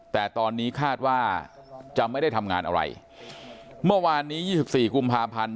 แต่ตอนนี้คาดว่าจะไม่ได้ทำงานอะไรเมื่อวานนี้ยี่สิบสี่กุมภาพันธ์